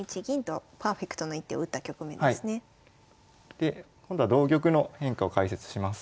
で今度は同玉の変化を解説します。